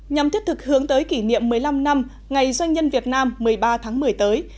nhằm thiết thực hướng tới kỷ niệm một mươi năm năm ngày doanh nhân việt nam một mươi ba tháng một mươi tới